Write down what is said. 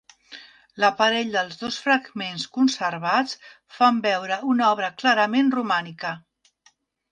L'aparell dels dos fragments conservats fan veure una obra clarament romànica.